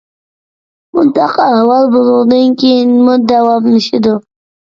بۇنداق ئەھۋال بۇنىڭدىن كېيىنمۇ داۋاملىشىدۇ.